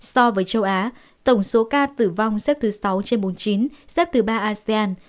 so với châu á tổng số ca tử vong xếp thứ sáu trên bốn mươi chín xếp thứ ba asean